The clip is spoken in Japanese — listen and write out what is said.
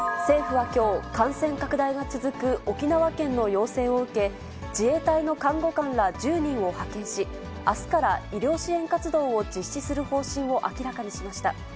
政府はきょう、感染拡大が続く沖縄県の要請を受け、自衛隊の看護官ら１０人を派遣し、あすから医療支援活動を実施する方針を明らかにしました。